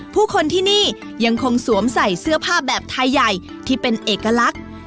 ผู้คนที่นี่ยังคงสวมใส่เสื้อผ้าแบบไทยใหญ่ที่เป็นเอกลักษณ์